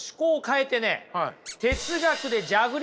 え！